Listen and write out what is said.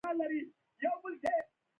کاریزونه پخواني سیستمونه دي.